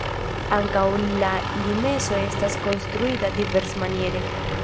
Ankaŭ la limeso estas konstruita diversmaniere.